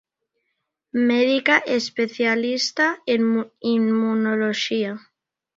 Médica especialista en inmunoloxía.